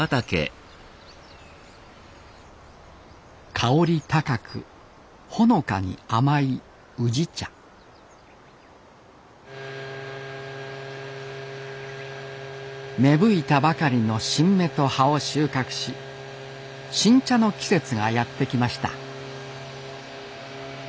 香り高くほのかに甘い宇治茶芽吹いたばかりの新芽と葉を収穫し新茶の季節がやって来ました